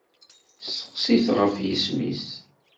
Steqsi-t ɣef yisem-is.